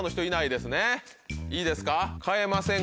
いいですか？